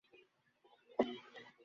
আমাদের এতই স্বার্থপর মনে করেন?